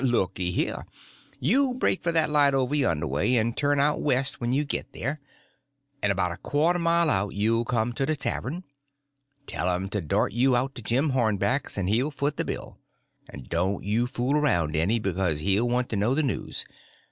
Looky here, you break for that light over yonder way, and turn out west when you git there, and about a quarter of a mile out you'll come to the tavern; tell 'em to dart you out to Jim Hornback's, and he'll foot the bill. And don't you fool around any, because he'll want to know the news.